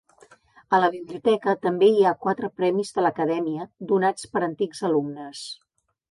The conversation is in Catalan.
A la biblioteca també hi ha quatre premis de l'Acadèmia, donats per antics alumnes.